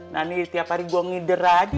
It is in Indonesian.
nah ini tiap hari gue ngider aja